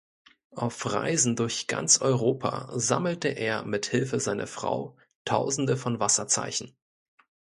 Auf Reisen durch ganz Europa sammelte er mit Hilfe seiner Frau Tausende von Wasserzeichen.